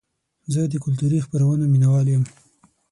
زه د کلتوري خپرونو مینهوال یم.